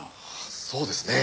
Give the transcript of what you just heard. そうですね。